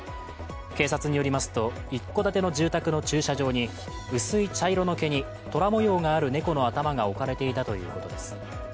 警察によりますと一戸建ての住宅の駐車場に、薄い茶色の毛にトラ模様がある猫の頭が置かれていたということです。